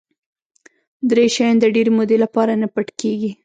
دری شیان د ډېرې مودې لپاره نه پټ کېږي.